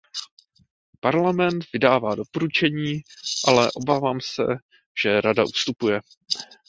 Parlament vydává doporučení, ale obávám se, že Rada ustupuje.